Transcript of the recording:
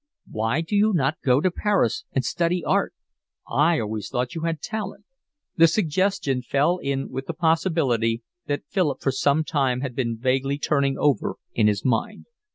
Why do you not go to Paris and study art? I always thought you had talent. The suggestion fell in with the possibility that Philip for some time had been vaguely turning over in his mind.